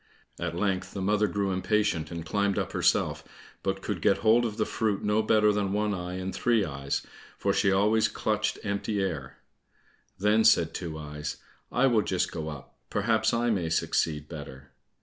At length the mother grew impatient, and climbed up herself, but could get hold of the fruit no better than One eye and Three eyes, for she always clutched empty air. Then said Two eyes, "I will just go up, perhaps I may succeed better."